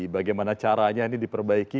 bagaimana caranya ini diperbaiki